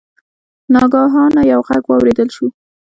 ناګهانه یو غږ واوریدل شو.